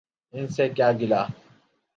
ان سے کیا گلہ۔